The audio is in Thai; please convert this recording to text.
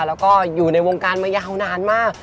แล้วก็อยู่ในวงการมายาวนานมาก